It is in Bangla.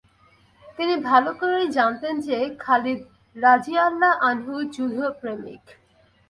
তিনি ভাল করেই জানতেন যে, খালিদ রাযিয়াল্লাহু আনহু যুদ্ধ-প্রেমিক।